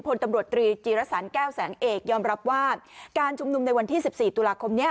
พลตำรวจตรีจีรสันแก้วแสงเอกยอมรับว่าการชุมนุมในวันที่๑๔ตุลาคมนี้